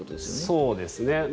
そうですね。